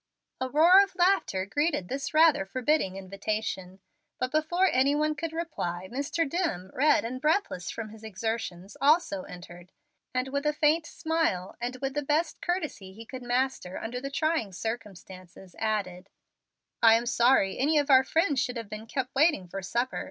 A roar of laughter greeted this rather forbidding invitation. But, before any one could reply, Mr. Dlimm, red and breathless from his exertions, also entered, and with a faint smile and with the best courtesy he could master under the trying circumstances, added: "I am sorry any of our friends should have been kept waiting for supper.